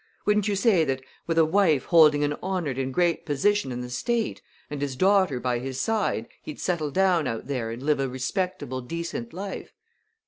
Wouldn't you say that, with a wife holding an honored and great position in the State, and his daughter by his side, he'd settle down out there and live a respectable, decent life?